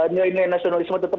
nya ini nasionalisme tetap